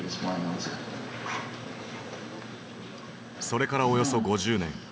それからおよそ５０年。